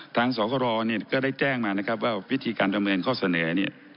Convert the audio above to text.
ทางสหราโรเนี่ยก็ได้แจ้งมานะครับว่าวิธีการดำเนียนข้อเสนอเนี่ย